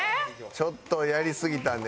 ちょっとやりすぎたね。